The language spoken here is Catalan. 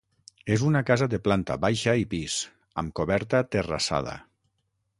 És una casa de planta baixa i pis, amb coberta terrassada.